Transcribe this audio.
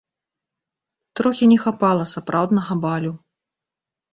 Трохі не хапала сапраўднага балю.